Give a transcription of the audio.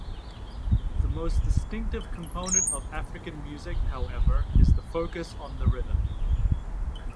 The most distinctive component of African music, however, is the focus on the rhythm.